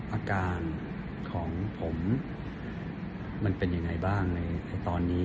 อาการของผมมันเป็นยังไงบ้างในตอนนี้